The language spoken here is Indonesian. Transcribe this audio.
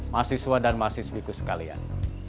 masih suah dan masih sepikus sekalian